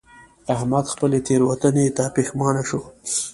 احمد خپلې تېروتنې ته پښېمانه شو.